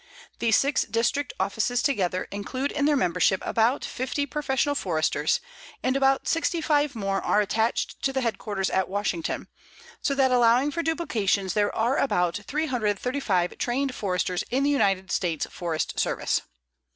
The six District offices together include in their membership about 50 professional Foresters, and about 65 more are attached to the headquarters at Washington, so that allowing for duplications there are about 335 trained Foresters in the United States Forest Service.